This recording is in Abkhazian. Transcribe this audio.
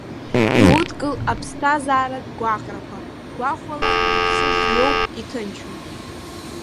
Иудкыл аԥсҭазаратә гәаҟрақәа гәахәала, иԥсыз иоуп иҭынчу!